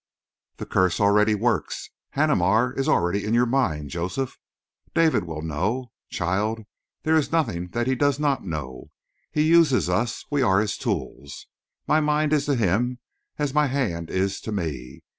"The curse already works; Haneemar already is in your mind, Joseph. David will not know? Child, there is nothing that he does not know. He uses us. We are his tools. My mind is to him as my hand is to me.